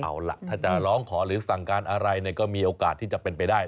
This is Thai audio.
เอาล่ะถ้าจะร้องขอหรือสั่งการอะไรก็มีโอกาสที่จะเป็นไปได้